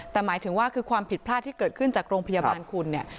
แต่หมายถึงว่าคือความผิดพลาดที่เกิดขึ้นจากโรงพยาบาลคุณเนี่ย